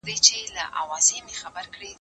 زه هره ورځ د سبا لپاره د يادښتونه بشپړوم،